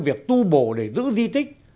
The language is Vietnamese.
việc tu bổ để giữ di tích